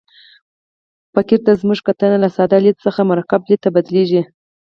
فقر ته زموږ کتنه له ساده لید څخه مرکب لید ته بدلېږي.